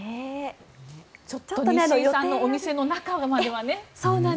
西井さんのお店の中まではね。